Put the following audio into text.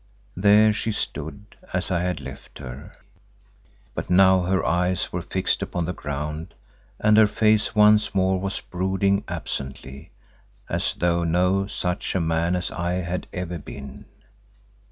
There she stood as I had left her, but now her eyes were fixed upon the ground and her face once more was brooding absently as though no such a man as I had ever been.